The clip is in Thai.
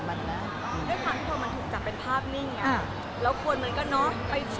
ด้วยความที่ว่ามันถึงจัดเป็นภาพนี้ไง